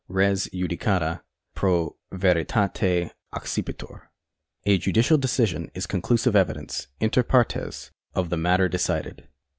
Res judicata pro veritate accipitur. D. 1. 5. 25. A judicial decision is conclusive evidence inter partes of the matter decided.